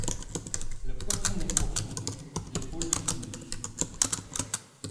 La poitrine est profonde, l'épaule inclinée.